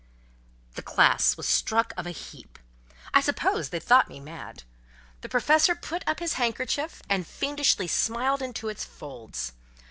The class was struck of a heap. I suppose they thought me mad. The Professor put up his handkerchief, and fiendishly smiled into its folds.